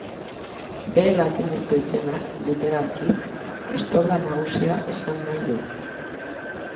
Bere latinezko izenak, literalki, Estolda Nagusia esan nahi du.